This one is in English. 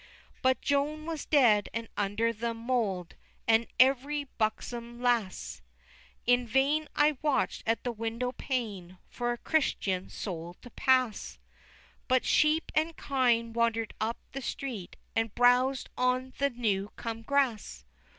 XXII. But Joan was dead and under the mould, And every buxom lass; In vain I watch'd, at the window pane, For a Christian soul to pass; But sheep and kine wander'd up the street, And brows'd on the new come grass.